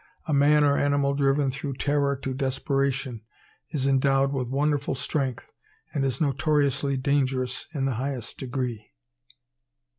A man or animal driven through terror to desperation, is endowed with wonderful strength, and is notoriously dangerous in the highest degree.